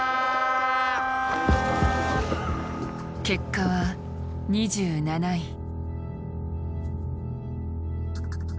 結果は２７位。